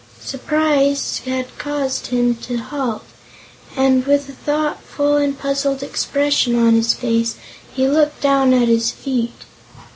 Surprise had caused him to halt, and with a thoughtful and puzzled expression on his face he looked down at his feet.